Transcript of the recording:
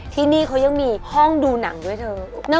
ที่นี่เขายังมีห้องดูหนังด้วยเถอะ